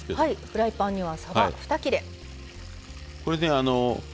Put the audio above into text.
フライパンにはさば２切れ。